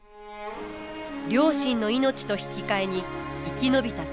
両親の命と引き換えに生き延びた瀬名。